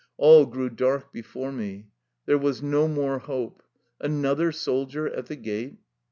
All grew dark before me. There was no more hope. Another soldier at the gate!